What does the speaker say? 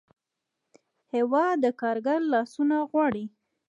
هېواد د کارګر لاسونه غواړي.